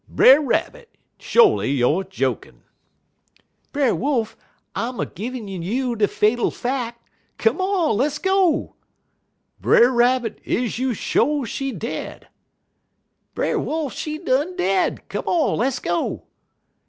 "'Brer Rabbit, sho'ly youer jokin'!' "'Brer Wolf, I'm a ginin' un you de fatal fack. Come on, less go!' "'Brer Rabbit, is you sho' she dead?' "'Brer Wolf, she done dead; come on, less go!'